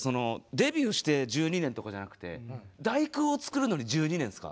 デビューして１２年とかじゃなくて「第９」をつくるのに１２年すか？